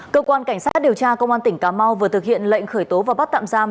cơ quan cảnh sát điều tra công an tỉnh cà mau vừa thực hiện lệnh khởi tố và bắt tạm giam